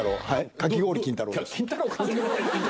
かき氷金太郎